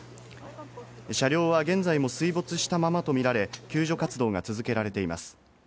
車両は現在も水没したままとみられ、救助活動が続けられています。